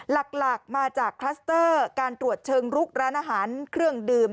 หลักมาจากคลัสเตอร์การตรวจเชิงลุกร้านอาหารเครื่องดื่ม